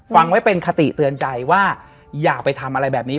ฟังไว้เป็นคติเตือนใจว่าอย่าไปทำอะไรแบบนี้